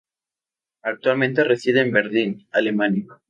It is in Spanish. Actualmente reside en Berlín, Alemania.